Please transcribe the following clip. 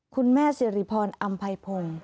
คุณแม่เสรีพรอำไพพง